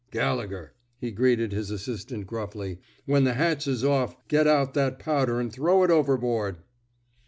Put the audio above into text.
... Gallegher," he greeted his assistant gruffly, when the hatch's off, get out that powder an' throw it overboard."